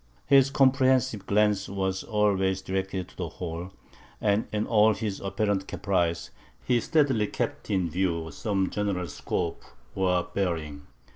His comprehensive glance was always directed to the whole, and in all his apparent caprice, he steadily kept in view some general scope or bearing.